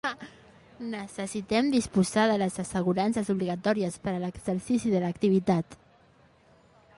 Necessitem disposar de les assegurances obligatòries per a l'exercici de l'activitat.